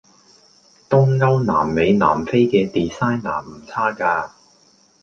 東歐南美南非既 designer 唔差架